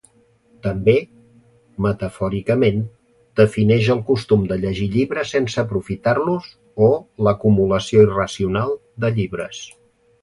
També, metafòricament, defineix el costum de llegir llibres sense aprofitar-los o l'acumulació irracional de llibres.